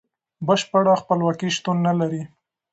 بشپړه خپلواکي شتون نلري.